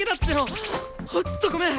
ほんっとごめん！